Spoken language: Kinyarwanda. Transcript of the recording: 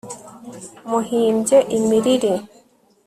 Muhimbye imiriri